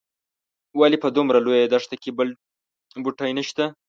ولې په دومره لویه دښته کې بل بوټی نه شته.